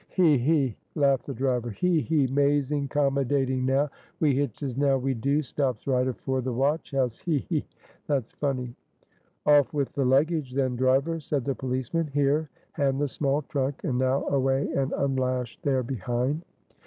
"He! he!" laughed the driver; "he! he! 'mazing 'commodating now we hitches now, we do stops right afore the watch house he! he! that's funny!" "Off with the luggage then, driver," said the policeman "here hand the small trunk, and now away and unlash there behind."